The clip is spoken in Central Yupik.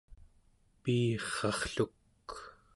piirrarrluk